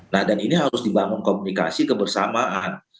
nah dan ini harus dibangun komunikasi kebersamaan